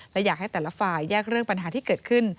และอยากให้แต่ละฝ่ายแยกเรื่องปัญหาที่เกิดขึ้น